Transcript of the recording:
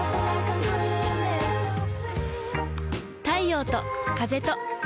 太陽と風と